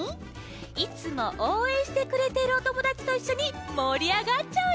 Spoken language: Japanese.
いつもおうえんしてくれてるおともだちといっしょにもりあがっちゃうイベントだよ。